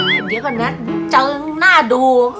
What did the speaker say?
อันเดียวก่อนนะจ๊งหน้าดู